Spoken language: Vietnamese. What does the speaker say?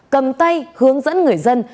cầm tay hướng dẫn người dân